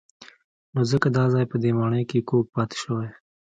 نو ځکه دا ځای په دې ماڼۍ کې کوږ پاتې شوی.